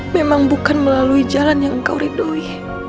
memang bukan melalui jalan yang engkau ridhoi